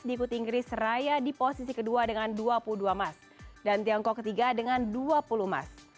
diikuti inggris raya di posisi kedua dengan dua puluh dua emas dan tiongkok ketiga dengan dua puluh emas